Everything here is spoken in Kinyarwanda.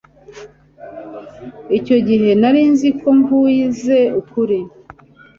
icyo gihe nari nzi ko mvuze ukuri